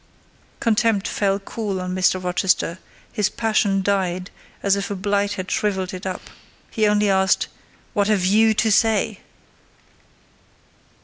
Contempt fell cool on Mr. Rochester—his passion died as if a blight had shrivelled it up: he only asked—"What have you to say?"